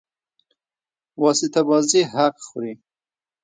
واسطه بازي حق خوري.